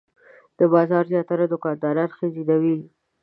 د بازار زیاتره دوکانداران ښځینه وې.